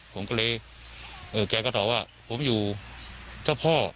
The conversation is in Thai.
ผมก็เลยแกก็ตอบว่าผมอยู่เจ้าพ่อ